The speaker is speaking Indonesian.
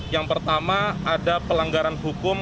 yang pertama ada pelanggaran hukum